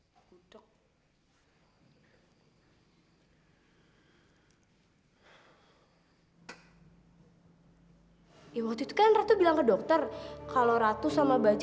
kamu haar kamu menghembokkan pas music